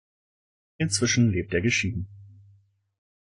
Inzwischen lebt er geschieden.